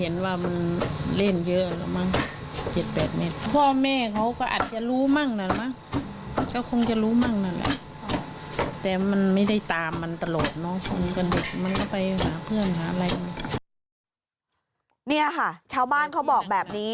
นี่ค่ะชาวบ้านเขาบอกแบบนี้